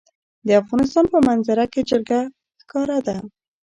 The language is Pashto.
د افغانستان په منظره کې جلګه ښکاره ده.